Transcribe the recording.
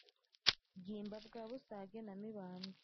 bwimba bwa busage na mibambwe